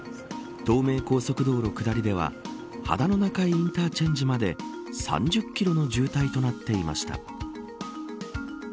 東名高速道路下りでは秦野中井インターチェンジまで３０キロの渋滞となっていました。